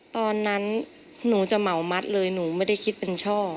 ตอนนั้นหนูจะเหมามัดเลยหนูไม่ได้คิดเป็นช่อ